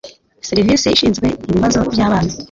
serivisi ishinzwe ibibazo by’abana